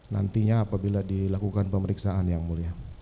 nantinya apabila dilakukan pemeriksaan yang mulia